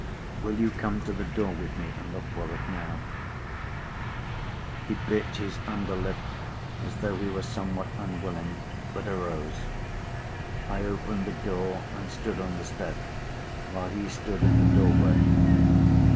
"Will you come to the door with me, and look for it now?" He bit his under lip as though he were somewhat unwilling, but arose. I opened the door, and stood on the step, while he stood in the doorway.